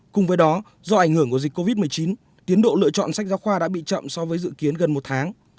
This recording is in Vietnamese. cùng với đó do ảnh hưởng của dịch covid một mươi chín tiến độ lựa chọn sách giáo khoa đã bị chậm so với dự kiến gần một tháng